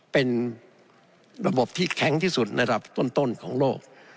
เป็นระบบที่แข็งที่สุดในระดับต้นของโลก